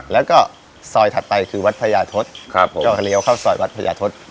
แล้วก็ซอยถัดไปคือวัฒนธรรมพญาทศก็เรียวเข้าซอยวัฒนธรรมพญาทศ